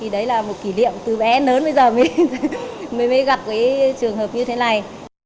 đấy là một kỷ niệm từ bé lớn bây giờ mới gặp trường hợp như thế này